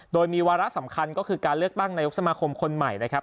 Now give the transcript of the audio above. โดยมีวาระสำคัญก็คือการเลือกตั้งนายกสมาคมคนใหม่นะครับ